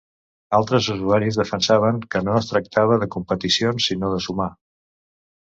Altres usuaris defensaven que no es tractava “de competicions” sinó “de sumar”.